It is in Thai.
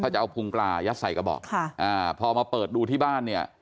ก็จะเอาภูมิกลายัดใส่กระบอกพอมาเปิดดูที่บ้านเนี่ย